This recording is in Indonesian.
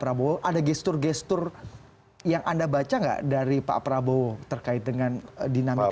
pak prabowo ada gestur gestur yang anda baca nggak dari pak prabowo terkait dengan dinamika